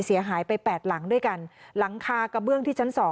เสียหายไป๘หลังด้วยกันหลังคากระเบื้องที่ชั้น๒